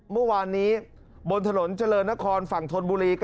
เมื่อวานนี้บนถนนเจริญนครฝั่งธนบุรี